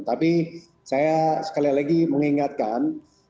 tapi saya sekali lagi mengingatkan